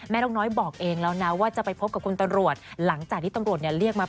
แม่นกน้อยบอกเองแล้วนะว่าจะไปพบกับคุณตำรวจ